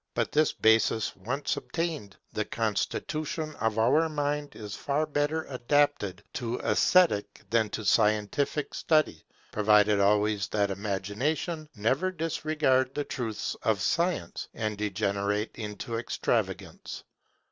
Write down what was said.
But this basis once obtained, the constitution of our mind is far better adapted to esthetic than to scientific study, provided always that imagination never disregard the truths of science, and degenerate into extravagance.